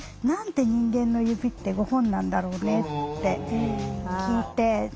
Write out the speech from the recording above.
「何で人間の指って５本なんだろうね」って聞いて。